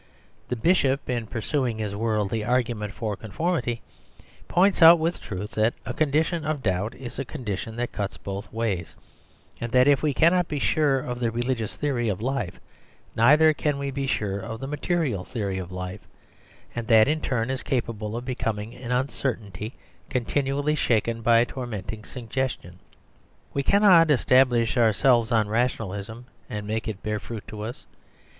The Bishop, in pursuing his worldly argument for conformity, points out with truth that a condition of doubt is a condition that cuts both ways, and that if we cannot be sure of the religious theory of life, neither can we be sure of the material theory of life, and that in turn is capable of becoming an uncertainty continually shaken by a tormenting suggestion. We cannot establish ourselves on rationalism, and make it bear fruit to us.